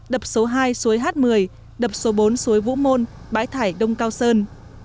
đập số hai suối h một mươi đập số bốn suối vũ môn bãi thải đông cao sơn